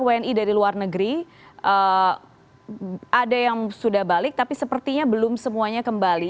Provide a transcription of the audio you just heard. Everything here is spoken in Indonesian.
wni dari luar negeri ada yang sudah balik tapi sepertinya belum semuanya kembali